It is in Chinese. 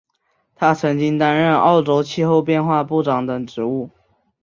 他曾经担任澳洲气候变化部长等职务。